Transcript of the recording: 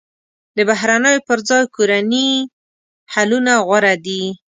د بهرنیو پر ځای کورني حلونه غوره دي.